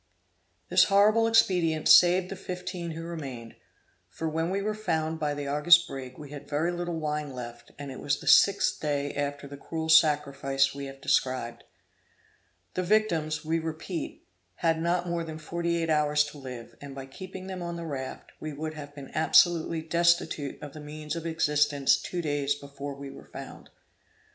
This horrible expedient saved the fifteen who remained; for when we were found by the Argus brig, we had very little wine left, and it was the sixth day after the cruel sacrifice we have described. The victims, we repeat, had not more than forty eight hours to live, and by keeping them on the raft, we would have been absolutely destitute of the means of existence two days before we were found.